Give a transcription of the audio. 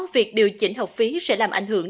việc điều chỉnh học phí sẽ làm ảnh hưởng